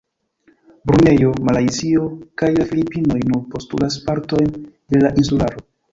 Brunejo, Malajzio kaj la Filipinoj nur postulas partojn de la insularo.